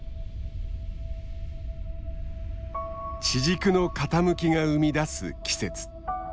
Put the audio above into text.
地軸の傾きが生み出す季節。